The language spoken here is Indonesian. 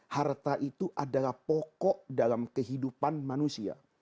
harta itu adalah pokok dalam kehidupan manusia